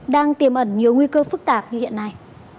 đang tiềm ẩn nhiều nguy cơ phức tạp như hiện nay